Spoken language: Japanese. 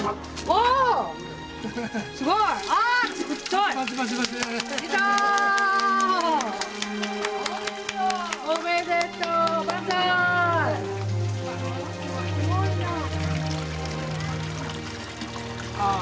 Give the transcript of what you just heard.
おめでとう。